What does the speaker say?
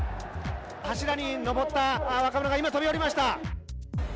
柱に上った若者が今、飛び降りました。